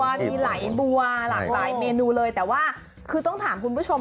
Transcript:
ข้างบัวแห่งสันยินดีต้อนรับทุกท่านนะครับ